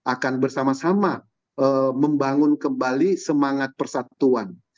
akan bersama sama membangun kembali semangat persatuan